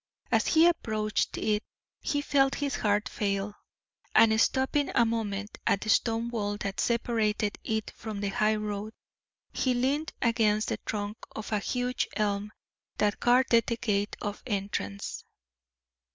As he approached it he felt his heart fail, and stopping a moment at the stone wall that separated it from the high road, he leaned against the trunk of a huge elm that guarded the gate of entrance.